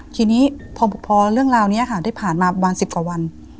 ทีนี้พอเรื่องราวนี้ค่ะที่ผ่านมาประมาณ๑๐กว่าวัน